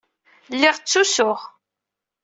Lliɣ ttusuɣ.